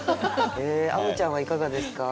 あむちゃんはいかがですか？